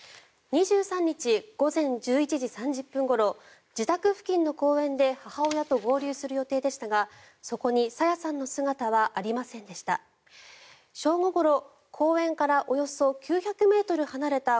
２３日午前１１時３０分ごろ自宅付近の公園で母親と合流する予定でしたがそこに朝芽さんの姿はありませんでした。